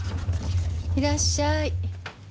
いらっしゃい。